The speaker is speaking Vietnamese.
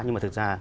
nhưng mà thực ra